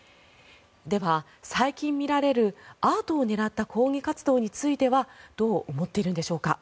では、最近見られるアートを狙った抗議活動についてはどう思っているんでしょうか。